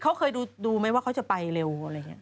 เขาเคยดูไหมว่าเขาจะไปเร็วอะไรอย่างนี้